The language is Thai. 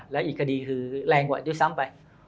แล้วอีกคดีคือแรงกว่าด้วยซ้ำไป